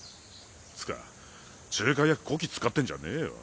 つか仲介屋こき使ってんじゃねぇよ。